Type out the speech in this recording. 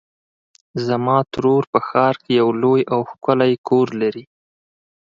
زما ترور په ښار کې یو لوی او ښکلی کور لري.